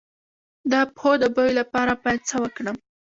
د پښو د بوی لپاره باید څه وکړم؟